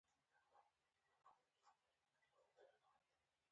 باران د افغانستان د شنو سیمو یوه ښکلا ده.